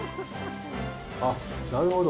あっなるほど。